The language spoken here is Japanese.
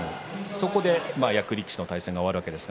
そこで役力士との対戦が終わるわけです。